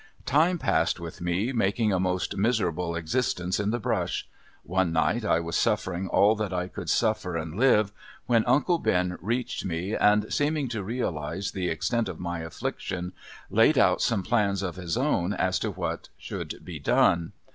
Time passed with me making a most miserable existence in the brush. One night I was suffering all that I could suffer and live, when uncle Ben reached me, and, seeming to realize the extent of my affliction, laid out some plans of his own as to what should be done.